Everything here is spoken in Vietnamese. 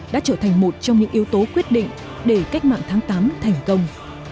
đã trở thành một trong những yếu tố quyết định để cách mạng tháng tám thành công